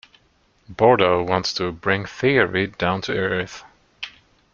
Bordo wants to “bring theory down to earth”.